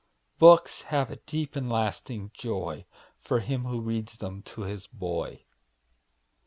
Books have a deep and lasting joy For him who reads them to his boy.